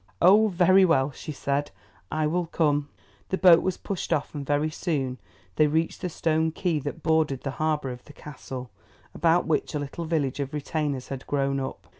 "Oh, very well," she said, "I will come." The boat was pushed off and very soon they reached the stone quay that bordered the harbour of the Castle, about which a little village of retainers had grown up.